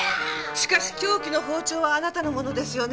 しかし凶器の包丁はあなたのものですよね？